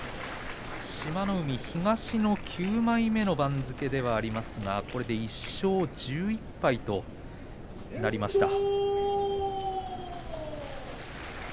志摩ノ海、東の９枚目の番付ではありますがこれで１勝１１敗となりました。